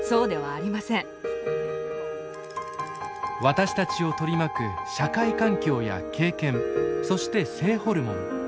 私たちを取り巻く社会環境や経験そして性ホルモン。